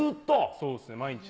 そうですね、毎日。